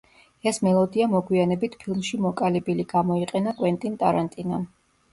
ეს მელოდია მოგვიანებით ფილმში „მოკალი ბილი“ გამოიყენა კვენტინ ტარანტინომ.